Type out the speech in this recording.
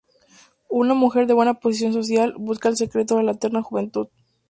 Una mujer de buena posición social, busca el secreto de la eterna juventud.